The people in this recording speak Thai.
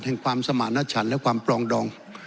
แห่งความสมารณชันและความปลองดอง